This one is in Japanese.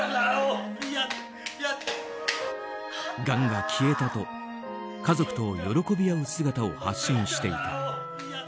がんが消えたと家族と喜び合う姿を発信していた。